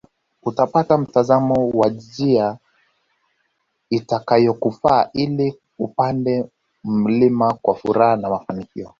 Utapata mtazamo wa njia itakayokufaa ili upande mlima kwa furaha na mafanikio